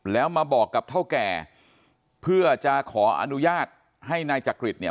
แล้วมาบอกกับเท่าแก่เพื่อจะขออนุญาตให้นายจักริตเนี่ย